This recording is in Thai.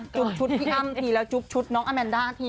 จุ๊บชุดพี่อ้ำทีละจุ๊บชุดน้องอเมนด้าทีละ